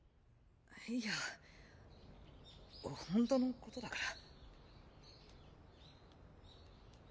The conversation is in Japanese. いやほんとのことだから。